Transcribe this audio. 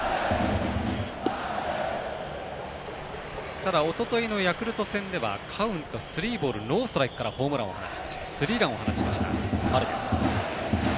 ただ、おとといのヤクルト戦からカウント、スリーボールノーストライクからスリーランを放ちました丸です。